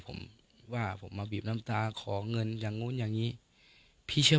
ผมว่าผมมาบีบน้ำตาขอเงินอย่างนู้นอย่างนี้พี่เชื่อ